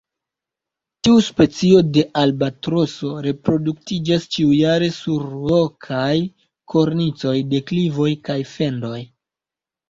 Tiu specio de albatroso reproduktiĝas ĉiujare sur rokaj kornicoj, deklivoj, kaj fendoj.